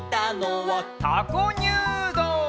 「たこにゅうどう」